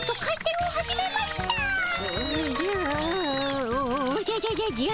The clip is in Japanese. おじゃおじゃじゃじゃじゃ。